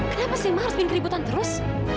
kenapa sih ma harus pingin keributan terus